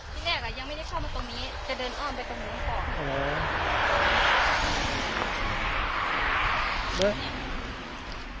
ที่แรกอ่ะยังไม่ได้เข้ามาตรงนี้จะเดินอ้อมไปตรงนู้นก่อน